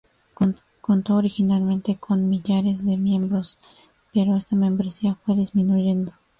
Contó originalmente con millares de miembros, pero esta membresía fue disminuyendo.